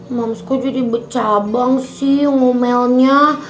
mams kok jadi becabang sih ngomelnya